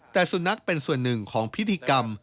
แต่สุนัขเป็นส่วนหนึ่งของพิธีกรรม